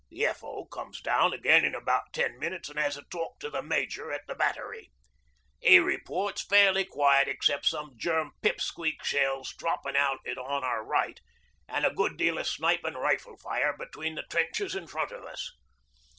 The F. O. comes down again in about ten minutes an' has a talk to the Major at the Battery. He reports fairly quiet except some Germ Pip Squeak shells droppin' out on our right, an' a good deal o' sniping rifle fire between the trenches in front of us.